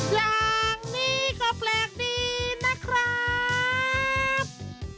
อย่างนี้ก็แปลกดีนะครับ